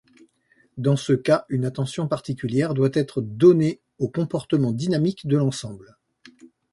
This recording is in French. Dans ce cas, une attention particulière doit être donnée au comportement dynamique de l'ensemble.